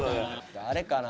誰かな？